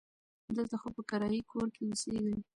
دلته خو په کرایي کور کې اوسیږي.